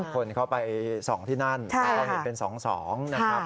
คนเข้าไป๒ที่นั่นเราเห็นเป็น๒๒นะครับ